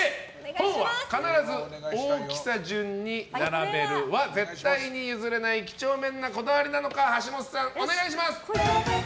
本は必ず大きさ順に並べるは絶対に譲れない几帳面なこだわりなのかはい！